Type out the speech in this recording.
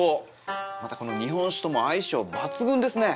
またこの日本酒とも相性抜群ですね。